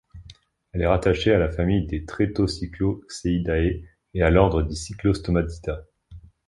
Elle est rattachée à la famille des Tretocycloeciidae et à l'ordre des Cyclostomatida.